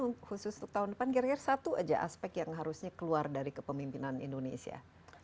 untuk khusus untuk tahun depan kira kira satu aja aspek yang harusnya keluar dari kepemimpinan indonesia